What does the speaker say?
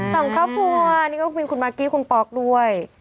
สองครอบครัวนี่ก็มีคุณมากกี้คุณป๊อกด้วย